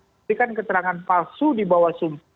memberikan keterangan palsu di bawah sumpah